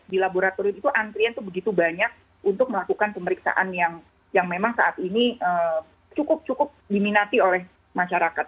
di laboratorium itu antrian itu begitu banyak untuk melakukan pemeriksaan yang memang saat ini cukup cukup diminati oleh masyarakat